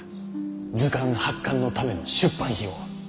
図鑑発刊のための出版費用